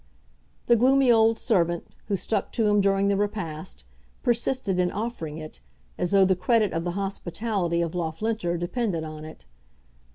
The gloomy old servant, who stuck to him during the repast, persisted in offering it, as though the credit of the hospitality of Loughlinter depended on it.